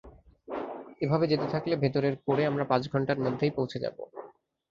এভাবে যেতে থাকলে ভেতরের কোরে আমরা পাঁচ ঘন্টার মধ্যেই পৌঁছে যাব!